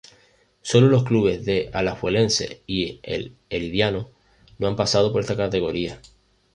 Solo los clubes de Alajuelense y el Herediano no han pasado por esta categoría.